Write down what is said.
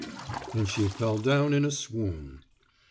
And she fell down in a swoon.